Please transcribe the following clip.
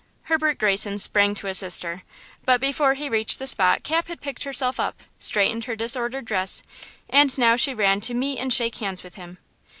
Herbert Greyson sprang to assist her; but before he reached the spot Cap had picked herself up, straightened her disordered dress, and now she ran to meet and shake hands with him.